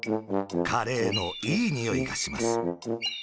カレーのいいにおいがします。